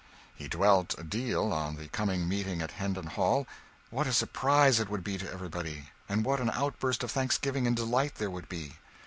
He dwelt a deal on the coming meeting at Hendon Hall; what a surprise it would be to everybody, and what an outburst of thanksgiving and delight there would be.